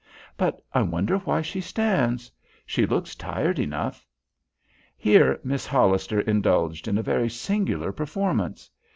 But I wonder why she stands? She looks tired enough." Here Miss Hollister indulged in a very singular performance.